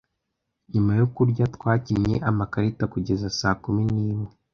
Nyuma yo kurya, twakinnye amakarita kugeza saa kumi n'imwe.